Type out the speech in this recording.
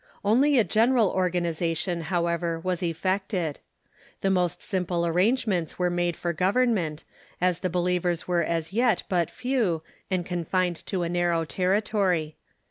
Only a general organization, however, was effected. The most simple arrange ments were made for government, as the believers were as yet but few, and confined to a narrow territory.